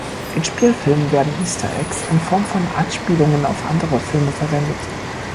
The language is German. In Spielfilmen werden Easter Eggs in Form von Anspielungen auf andere Filme verwendet.